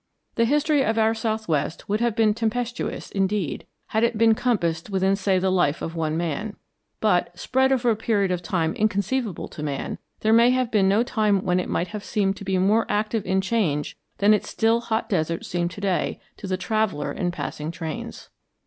The history of our southwest would have been tempestuous indeed had it been compassed within say the life of one man; but, spread over a period of time inconceivable to man, there may have been no time when it might have seemed to be more active in change than its still hot deserts seem to day to the traveller in passing trains.